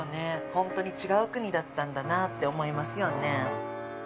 本当に違う国だったんだなって思いますよね。